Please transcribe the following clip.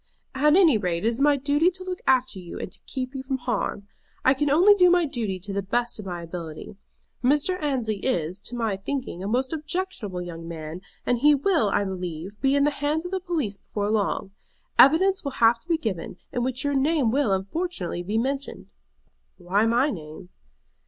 "At any rate, my duty is to look after you and to keep you from harm. I can only do my duty to the best of my ability. Mr. Annesley is, to my thinking, a most objectionable young man, and he will, I believe, be in the hands of the police before long. Evidence will have to be given, in which your name will, unfortunately, be mentioned." "Why my name?"